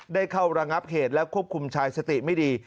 ได้เข้าระงับเหตุและควบคุมชายสติไม่ดี